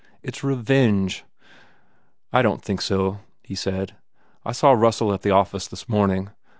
It s revenge!" "I don t think so," he said, "I saw Russell at the office this morning.